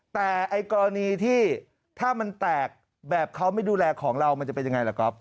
แต่ไอ้กรณีที่ถ้ามันแตกแบบเขาไม่ดูแลของเรามันจะเป็นยังไงล่ะก๊อฟ